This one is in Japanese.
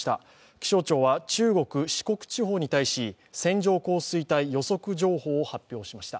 気象庁は中国・四国地方に対し線状降水帯予測情報を発表しました。